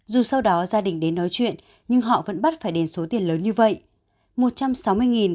dù sau đó gia đình đến nói chuyện nhưng họ vẫn bắt phải đến số tiền lớn như vậy